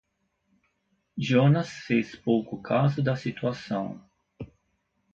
Jonas fez pouco caso da situação.